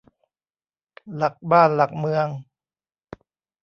หลักบ้านหลักเมือง